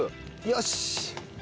よし！